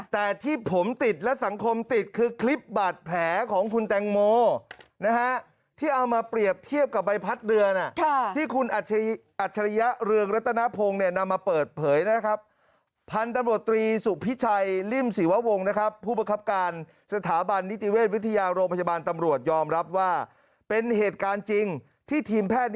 แต่ที่ผมติดและสังคมติดคือคลิปบาดแผลของคุณแตงโมนะฮะที่เอามาเปรียบเทียบกับใบพัดเรือน่ะที่คุณอัจฉริยะเรืองรัตนพงศ์เนี่ยนำมาเปิดเผยนะครับพันธุ์ตำรวจตรีสุพิชัยริมศรีววงนะครับผู้ประคับการสถาบันนิติเวชวิทยาโรงพยาบาลตำรวจยอมรับว่าเป็นเหตุการณ์จริงที่ทีมแพทย์